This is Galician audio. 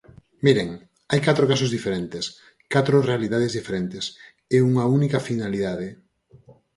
Miren, hai catro casos diferentes, catro realidades diferentes, e unha única finalidade.